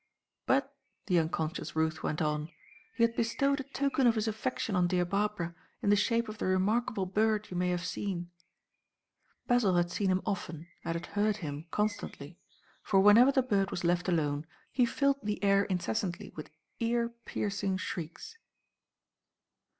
"But," the unconscious Ruth went on, "he had bestowed a token of his affection on dear Barbara, in the shape of the remarkable bird you may have seen." Basil had seen him often and had heard him constantly. For whenever the bird was left alone, he filled the air incessantly with ear piercing shrieks.